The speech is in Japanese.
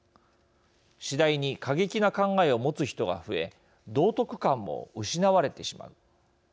次第に過激な考えを持つ人が増え道徳観も失われてしまう。